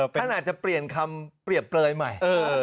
ท่านอาจจะเปลี่ยนคำเปรียบเปลยใหม่